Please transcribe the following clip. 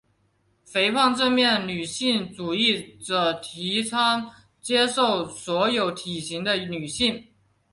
肥胖正面女性主义者提倡接受所有体型的女性。